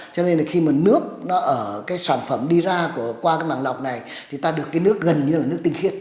cho nên là khi mà nước nó ở cái sản phẩm đi ra qua cái màng lọc này thì ta được cái nước gần như là nước tinh khiết